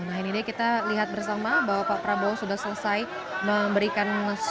nah ini dia kita lihat bersama bahwa pak prabowo sudah selesai memberikan